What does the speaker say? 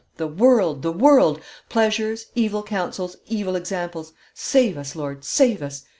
the world! the world! pleasures, evil counsels, evil examples! Save us, Lord! save us!